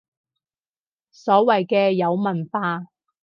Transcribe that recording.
所謂嘅有文化